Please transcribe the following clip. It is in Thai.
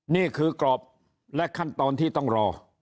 นี่คือกรอบและขั้นตอนที่ต้องรอ